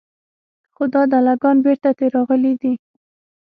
خو دا دله ګان بېرته تې راغلي دي.